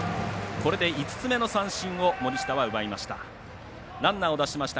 これで５つ目の三振を森下は奪いました。